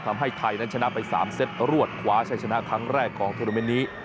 ทำให้ไทยนั้นชนะไป๓เซตรวดคว้าชัยชนะครั้งแรกของโทรเมนต์นี้